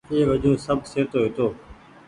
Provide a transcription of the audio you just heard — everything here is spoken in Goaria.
اي وجون سب سهيتو هيتو۔